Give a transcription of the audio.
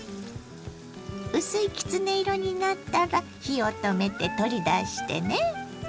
薄いきつね色になったら火を止めて取り出してね。